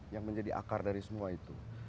yang menjadi akar dari semua itu